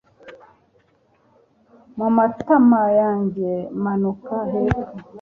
mumatama yanjye manuka hepfo